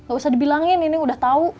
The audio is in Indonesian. gak usah dibilangin ini udah tau